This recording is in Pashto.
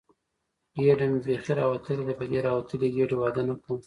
ګېډه مې بیخي راوتلې ده، په دې راوتلې ګېډې واده نه کوم.